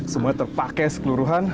semuanya terpakai sekeluruhan